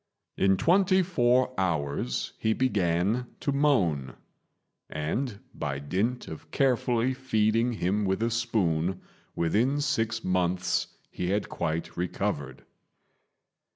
In twenty four hours he began to moan; and by dint of carefully feeding him with a spoon, within six months he had quite recovered.